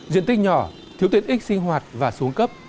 diện tích nhỏ thiếu tiết ít sinh hoạt và xuống cấp